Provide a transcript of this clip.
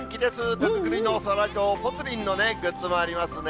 手作りのそらジロー、ぽつリンのグッズもありますね。